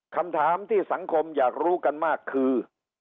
คำถามที่สังคมอยากรู้กันมากคือ